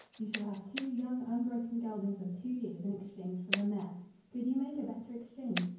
you shall have two young unbroken geldings of two years in exchange for the mare. Could you make a better exchange?